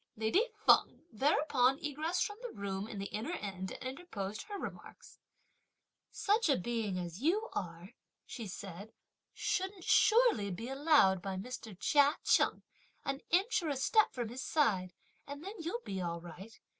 Lady Feng thereupon egressed from the room in the inner end and interposed her remarks. "Such a being as you are," she said, "shouldn't surely be allowed by Mr. Chia Cheng, an inch or a step from his side, and then you'll be all right.